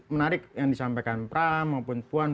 menarik yang disampaikan pram maupun puan